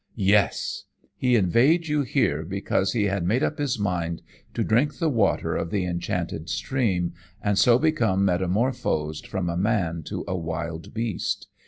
"'Yes! he inveigled you here because he had made up his mind to drink the water of the enchanted stream, and so become metamorphosed from a man to a wild beast.